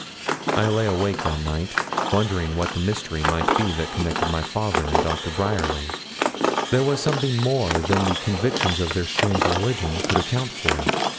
I lay awake that night, wondering what the mystery might be that connected my father and Dr. Bryerly. There was something more than the convictions of their strange religion could account for.